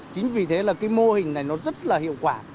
chính vì thế là cái mô hình này nó rất là hiệu quả